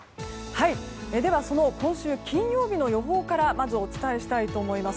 その今週金曜日の予報からまずお伝えしたいと思います。